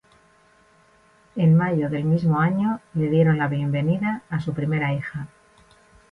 En mayo del mismo año le dieron la bienvenida a su primera hija.